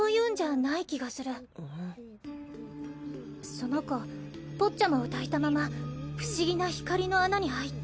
その子ポッチャマを抱いたまま不思議な光の穴に入って。